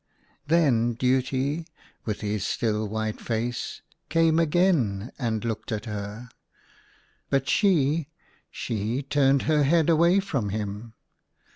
Then Duty, with his still white face, came again, and looked at her ; but she, she turned her head away from him.